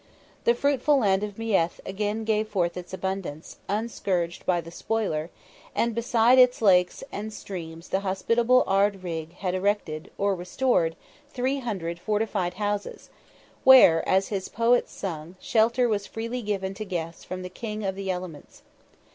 The fruitful land of Meath again gave forth its abundance, unscourged by the spoiler, and beside its lakes and streams the hospitable Ard Righ had erected, or restored, three hundred fortified houses, where, as his poets sung, shelter was freely given to guests from the king of the elements.